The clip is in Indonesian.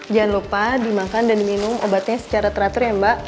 jangan lupa dimakan dan minum obatnya secara teratur ya mbak